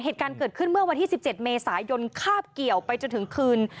เหตุการณ์เกิดขึ้นเมื่อวันที่๑๗เมษายนคาบเกี่ยวไปจนถึงคืน